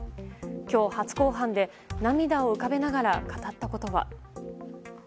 今日、初公判で涙を浮かべながら語ったことは。